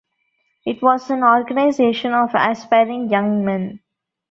It was an organization of aspiring young men.